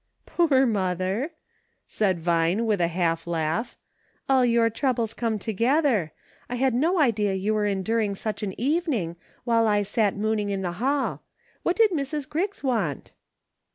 " Poor mother !" said Vine, with a half laugh, " all your troubles came together ; I had no idea you were enduring such an evening, while I sat A " PROVIDENCE." 273 mooning in the Hall. What did Mrs. Griggs want